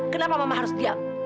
kenapa mama harus diam